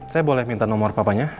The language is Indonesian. saya boleh minta nomor papanya